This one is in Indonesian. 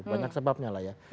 banyak sebabnya lah ya